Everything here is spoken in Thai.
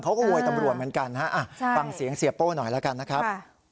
โวยตำรวจเหมือนกันฮะฟังเสียงเสียโป้หน่อยแล้วกันนะครับ